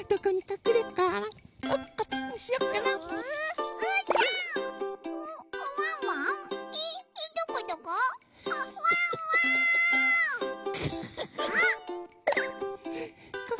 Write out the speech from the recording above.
どこどこ？